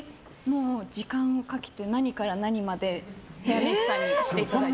時間をかけて何から何までヘアメイクさんにしていただいてます。